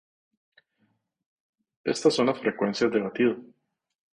Estas son las frecuencias de batido.